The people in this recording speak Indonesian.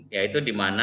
yaitu di mana